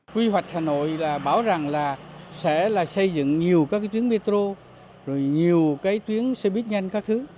quy hoạch hà nội bảo rằng là sẽ xây dựng nhiều cái tuyến metro rồi nhiều cái tuyến xe buýt nhanh các thứ